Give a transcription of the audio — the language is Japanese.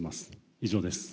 以上です。